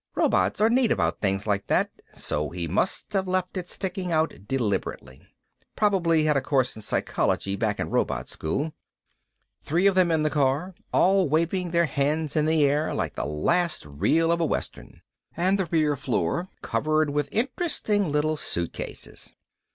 Robots are neat about things like that so he must have left it sticking out deliberate. Probably had a course in psychology back in robot school. Three of them in the car, all waving their hands in the air like the last reel of a western. And the rear floor covered with interesting little suitcases.